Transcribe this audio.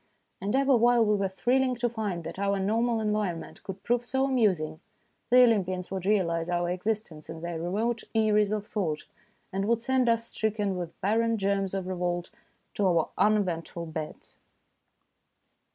And ever while we were thrilling to find that our normal environment could prove so amusing, the Olympians would realise our existence in their remote eyries of thought, and would send us, stricken with barren germs of revolt, to our uneventful beds.